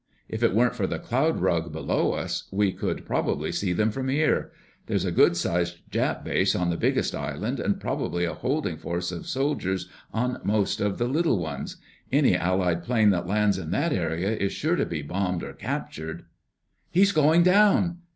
If it weren't for the cloud rug below us we could probably see them from here. There's a good sized Jap base on the biggest island, and probably a holding force of soldiers on most of the little ones. Any Allied plane that lands in this area is sure to be bombed or captured...." "He's going down!"